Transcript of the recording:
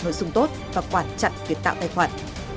nội dung tốt và quản chặn việc tạo tài khoản